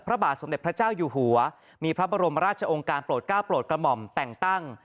พระบาทสมเด็จพระเจ้าอยู่หัวมีพระบรมราชองค์การโปรดก้าวโปรดกระหม่อมแต่งตั้ง